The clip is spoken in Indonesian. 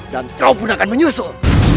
dan kau pun akan menyusul